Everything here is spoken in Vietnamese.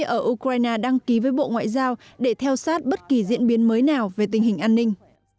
ở ukraine đăng ký với bộ ngoại giao để theo sát bất kỳ diễn biến mới nào về tình hình an ninh